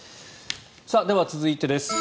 では、続いてです。